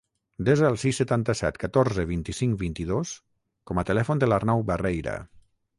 Desa el sis, setanta-set, catorze, vint-i-cinc, vint-i-dos com a telèfon de l'Arnau Barreira.